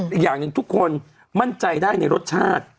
อีกอย่างหนึ่งทุกคนมั่นใจได้ในรสชาติ